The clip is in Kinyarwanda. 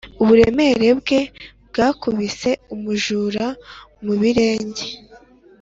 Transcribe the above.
uburemere bwe bwakubise umujura mu birenge.